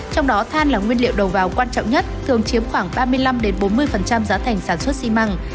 trong đó than là nguyên liệu đầu vào quan trọng nhất thường chiếm khoảng ba mươi năm bốn mươi giá thành sản xuất xi măng